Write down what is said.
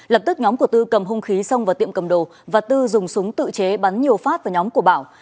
lập tức nhóm của tư cầm hung khí xông vào tiệm cầm đồ và tư dùng súng tự chế bắn nhiều phát vào nhóm của bảo